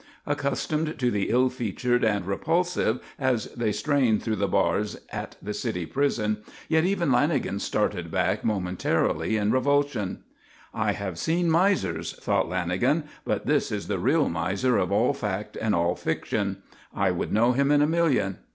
Accustomed to the ill featured and repulsive as they strain through the bars at the city prison, yet even Lanagan started back momentarily in revulsion. "I have seen misers," thought Lanagan, "but this is the real miser of all fact and all fiction. I would know him in a million.